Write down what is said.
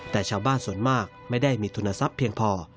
แต่ชาวบ้านส่วนมากไม่ได้มีทุนทรัพย์เพียงพอ